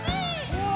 うわ！